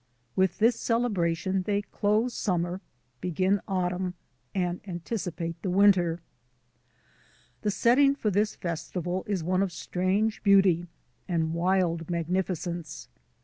With this celebration they close summer, begin autumn, and anticipate the winter. The setting for this festival is one of strange beauty and wild magnificence.